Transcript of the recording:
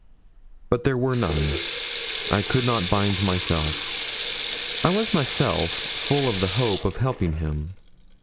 But there were none. I could not bind myself. I was myself full of the hope of helping him.